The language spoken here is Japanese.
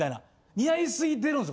似合いすぎてるんですよ